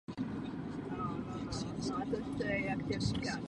Kromě rady jsou zřizovány specializované výbory a pomocné orgány.